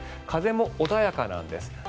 風も穏やかなんです。